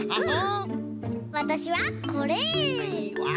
わたしはこれ！わ！